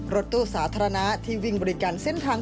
รถตู้สาธารณะที่วิ่งบริการเส้นทาง